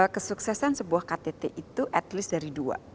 kesuksesan sebuah ktt itu at least dari dua